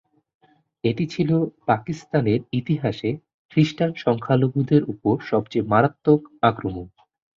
এটি ছিল পাকিস্তানের ইতিহাসে খ্রিস্টান সংখ্যালঘুদের উপর সবচেয়ে মারাত্মক আক্রমণ।